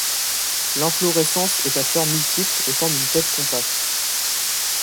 L'inflorescence est à fleurs multiples et forme une tête compacte.